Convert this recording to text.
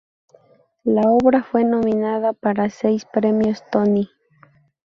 La obra fue nominada para seis Premios Tony.